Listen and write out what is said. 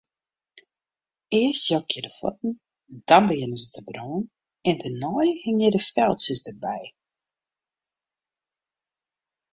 Earst jokje de fuotten, dan begjinne se te brânen, dêrnei hingje de feltsjes derby.